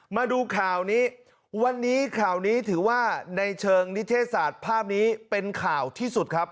มาดูข่าวนี้วันนี้ข่าวนี้ถือว่าในเชิงนิเทศศาสตร์ภาพนี้เป็นข่าวที่สุดครับ